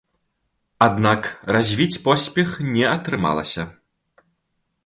Аднак развіць поспех не атрымалася.